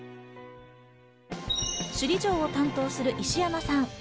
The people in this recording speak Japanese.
首里城を担当する石山さん。